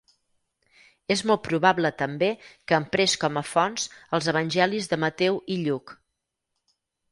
És molt probable també que emprés com a fonts els evangelis de Mateu i Lluc.